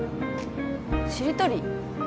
しりとり？